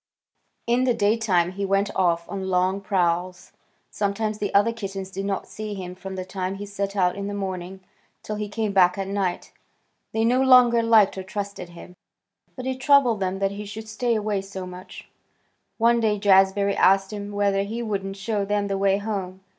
In the daytime he went off on long prowls. Sometimes the other kittens did not see him from the time he set out in the morning till he came back at night. They no longer liked or trusted him, but it troubled them that he should stay away so much. One day Jazbury asked him whether he wouldn't show them the way home.